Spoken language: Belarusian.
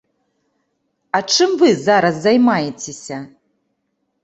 А чым вы зараз займаецеся?